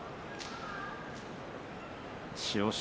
千代翔